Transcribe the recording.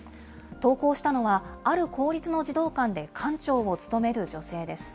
投稿したのは、ある公立の児童館で館長を務める女性です。